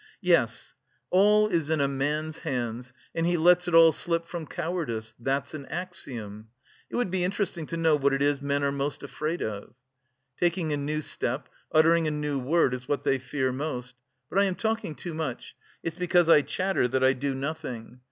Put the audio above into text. yes, all is in a man's hands and he lets it all slip from cowardice, that's an axiom. It would be interesting to know what it is men are most afraid of. Taking a new step, uttering a new word is what they fear most.... But I am talking too much. It's because I chatter that I do nothing.